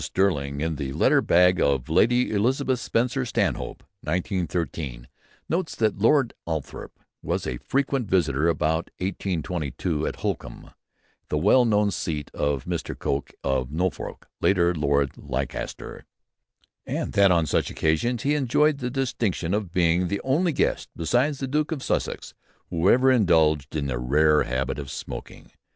Stirling, in "The Letter Bag of Lady Elizabeth Spencer Stanhope," 1913, notes that Lord Althorp was a frequent visitor about 1822 at Holkham, the well known seat of Mr. Coke of Norfolk, later Lord Leicester, and that on such occasions he enjoyed "the distinction of being the only guest besides the Duke of Sussex who ever indulged in the rare habit of smoking.